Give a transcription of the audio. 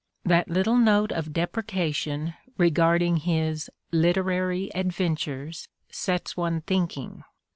That little note of deprecation regarding his "literary adventures" sets one thinking.